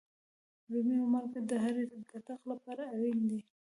رومي او مالگه د هر کتغ لپاره اړین دي.